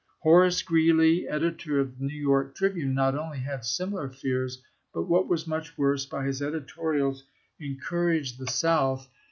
Horace Greeley, editor of the New York " Tri bune," not only had similar fears, but, what was much worse, by his editorials encouraged the South 254 ABBAHAM LINCOLN N.